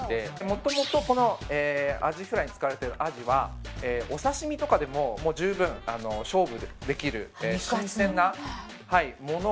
もともとこのアジフライに使われてるアジはお刺身とかでももう十分勝負できる新鮮なものをですね